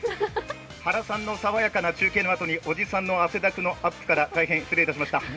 原さんのさわやかな中継からおじさんの汗だくのアップから、大変失礼しました。